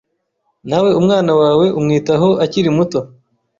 na we umwana wawe umwitaho akiri muto,